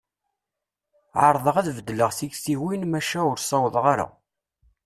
Ɛerḍeɣ ad s-beddleɣ tiktiwin, maca ur ssawḍeɣ ara.